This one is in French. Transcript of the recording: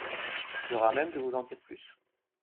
Il sera à même de vous en dire plus.